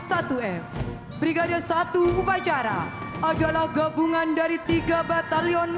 meluluskan mayas polri jemput dan mulungaka perusahaan